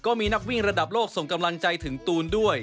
ก็มีนักวิ่งระดับโลกส่งกำลังใจถึงตูนด้วย